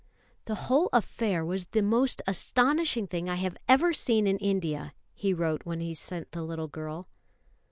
"The whole affair was the most astonishing thing I have ever seen in India," he wrote when he sent the little girl.